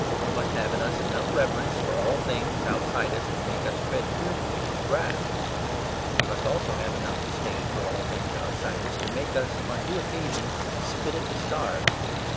We must have in us enough reverence for all things outside us to make us tread fearfully on the grass. We must also have enough disdain for all things outside us, to make us, on due occasion, spit at the stars.